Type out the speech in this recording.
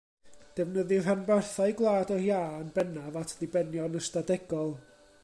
Defnyddir rhanbarthau Gwlad yr Iâ yn bennaf at ddibenion ystadegol.